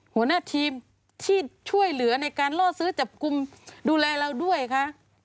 หัวหน้าทีมที่ช่วยเหลือในการล่อซื้อจับกลุ่มดูแลเราด้วยคะ